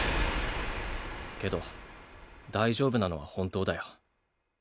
けど大丈夫なのは本当だよ。